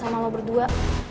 gak usah sama lo berdua